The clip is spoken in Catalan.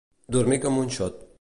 Dormir com un xot.